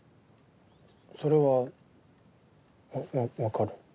それはわ分かる。